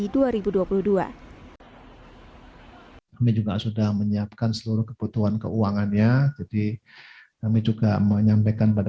kami juga sudah menyiapkan seluruh kebutuhan keuangannya jadi kami juga menyampaikan pada